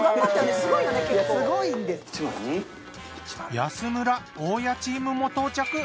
安村・大家チームも到着。